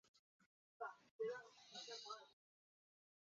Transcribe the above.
这或许正是说明了其改版仓促。